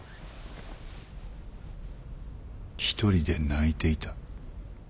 １人で泣いていた。